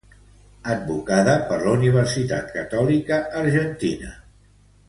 Advocada per la Universitat Catòlica Argentina.